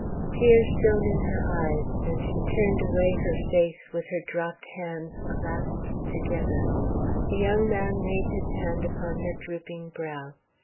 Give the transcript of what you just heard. Tears shone in her eyes, and she turned away her face with her dropped hands clasped together. The young man laid his hand upon her drooping brow.